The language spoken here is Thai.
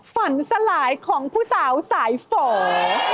ฝันสลายของผู้สาวสายเฝา